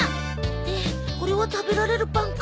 ってこれは食べれられるパンか。